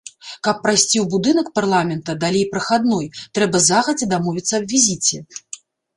Каб прайсці ў будынак парламента далей прахадной, трэба загадзя дамовіцца аб візіце.